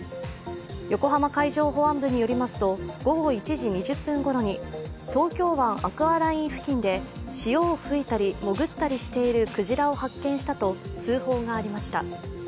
横浜海上保安部によりますと午後１時２０分ごろに東京湾アクアライン付近で潮を吹いたり潜ったりしているクジラを発見したと通報がありました。